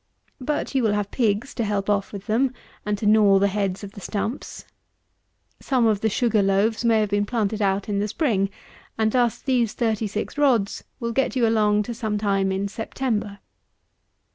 But you will have pigs to help off with them, and to gnaw the heads of the stumps. Some of the sugar loaves may have been planted out in the spring; and thus these 36 rods will get you along to some time in September.